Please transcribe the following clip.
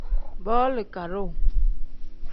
Booli kadoo.